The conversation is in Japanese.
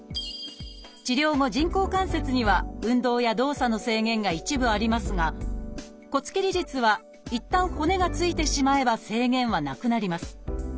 治療後人工関節には運動や動作の制限が一部ありますが骨切り術はいったん骨がついてしまえば制限はなくなります。